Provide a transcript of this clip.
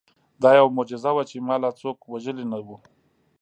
دا یوه معجزه وه چې ما لا څوک وژلي نه وو